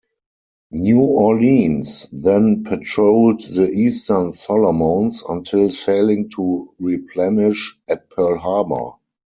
"New Orleans" then patrolled the eastern Solomons until sailing to replenish at Pearl Harbor.